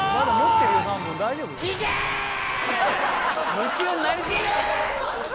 夢中になり過ぎ。